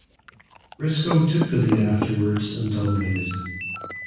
Briscoe took the lead afterwards and dominated.